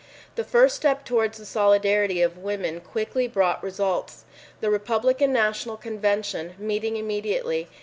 This first step towards the solidarity of women quickly brought results. The Republican National Convention, meeting immediately.